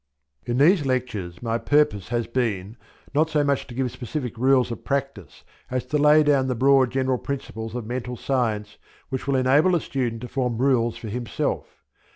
In these lectures my purpose has been, not so much to give specific rules of practice as to lay down the broad general principles of Mental Science which will enable the student to form rules for himself.